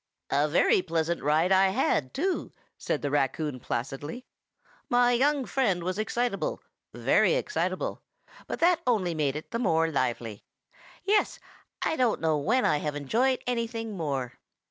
"A very pleasant ride I had, too," said the raccoon placidly. "My young friend was excitable, very excitable, but that only made it the more lively. Yes. I don't know when I have enjoyed anything more."